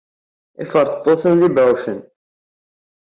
Iferṭeṭṭuten d ibeɛɛucen.